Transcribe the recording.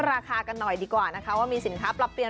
ราคากันหน่อยดีกว่านะคะว่ามีสินค้าปรับเปลี่ยน